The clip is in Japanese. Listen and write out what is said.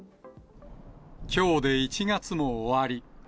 きょうで１月も終わり。